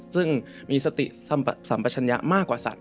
ซึ่งมีสติสัมปัชญะมากกว่าสัตว